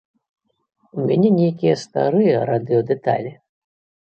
У мяне нейкія старыя радыёдэталі.